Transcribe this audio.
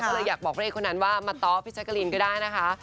ก็เลยอยากบอกพระเอกคนนั้นว่ามาต้อพี่แจ๊กกะลีนก็ได้นะคะ